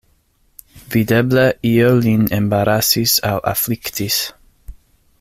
Videble io lin embarasis aŭ afliktis.